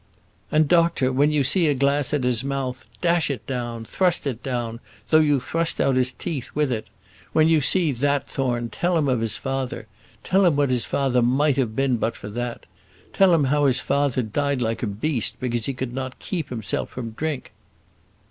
"And, doctor, when you see a glass at his mouth, dash it down; thrust it down, though you thrust out the teeth with it. When you see that, Thorne, tell him of his father tell him what his father might have been but for that; tell him how his father died like a beast, because he could not keep himself from drink."